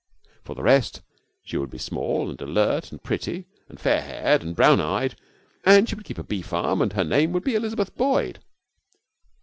For the rest, she would be small and alert and pretty, and fair haired and brown eyed and she would keep a bee farm and her name would be Elizabeth Boyd.